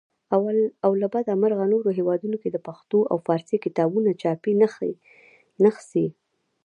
او له بده مرغه نورو هیوادونو کې د پښتو او فارسي کتابونو چاپي نخسې.